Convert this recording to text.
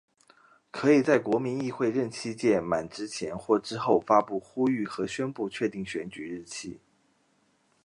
可以在国民议会任期届满之前或之后发布呼吁和宣布确定选举日期。